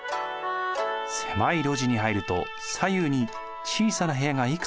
狭い路地に入ると左右に小さな部屋がいくつも並んでいます。